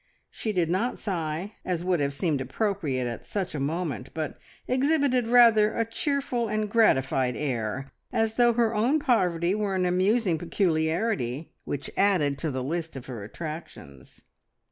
She did not sigh, as would have seemed appropriate at such a moment, but exhibited rather a cheerful and gratified air, as though her own poverty were an amusing peculiarity which added to the list of her attractions.